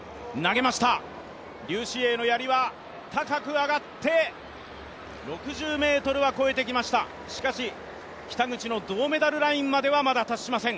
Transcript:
劉詩穎のやりは高く上がって６０ｍは越えてきました、しかし北口の銅メダルラインまでは達しません。